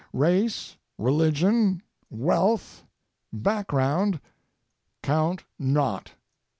Race, religion, wealth, background count not.